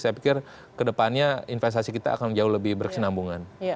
saya pikir kedepannya investasi kita akan jauh lebih berkesinambungan